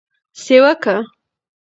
سیوکه: